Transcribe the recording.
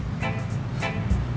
malah ngeliatin akunya aja